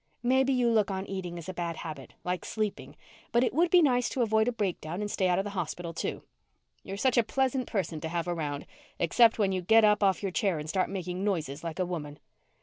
"Maybe you look on eating as a bad habit, like sleeping, but it would be nice to avoid a breakdown and stay out of the hospital, too." "You're such a pleasant person to have around, except when you get up off your chair and start making noises like a woman."